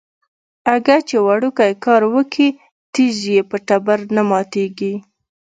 اگه چې وړوکی کار وکي ټيز يې په تبر نه ماتېږي.